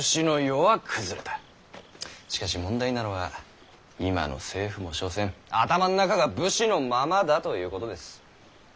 しかし問題なのは今の政府も所詮頭の中が武士のままだということです。